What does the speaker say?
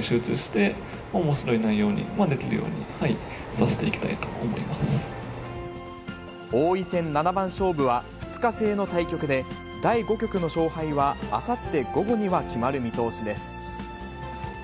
集中しておもしろい内容にできるように、王位戦七番勝負は２日制の対局で、第５局の勝敗はあさって午後には決まる見通しです。